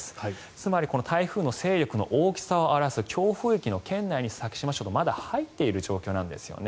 つまり台風の勢力の大きさを表す強風域の圏内に先島諸島はまだ入っている状況なんですよね。